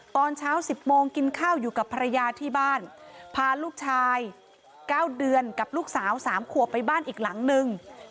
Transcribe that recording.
ตอนเช้า๑๐โมงกินข้าวอยู่กับภรรยาที่บ้านพาลูกชาย๙เดือนกับลูกสาว๓ขวบไปบ้านอีกหลังนึง